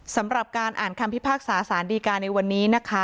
สำหรับการอ่านคำพิพากษาสารดีการในวันนี้นะคะ